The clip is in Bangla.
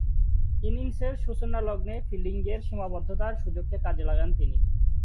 ইনিংসের সূচনালগ্নে ফিল্ডিংয়ের সীমাবদ্ধতার সুযোগকে কাজে লাগান তিনি।